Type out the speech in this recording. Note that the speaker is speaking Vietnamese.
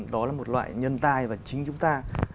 đó là một loại nhân tai và chính chúng ta